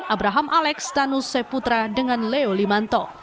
abraham alex dan nusse putra dengan leo limanto